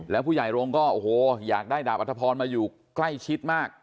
แล้วผู้ใหญ่โรงก็โอ้โหอยากได้ดาบอัธพรมาอยู่ใกล้ชิดมาก